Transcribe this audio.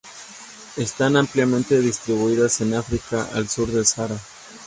Están ampliamente distribuidas en África al sur del Sahara.